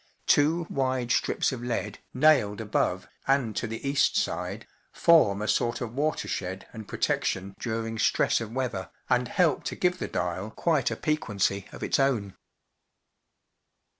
Two wide strips of lead, nailed above and to the east side, form a sort of water shed and protection during stress of weather, and help to give the dial quite a piquancy of its own.